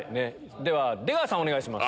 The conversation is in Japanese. では出川さんお願いします。